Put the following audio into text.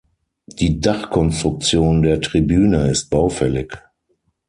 Die Dachkonstruktion der Tribüne ist baufällig.